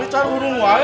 itu lagi pasar